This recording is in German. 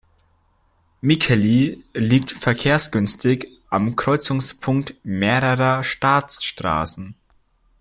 Mikkeli liegt verkehrsgünstig am Kreuzungspunkt mehrerer Staatsstraßen.